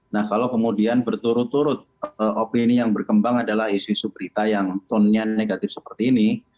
nah kalau kemudian berturut turut opini yang berkembang adalah isu isu berita yang tone nya negatif seperti ini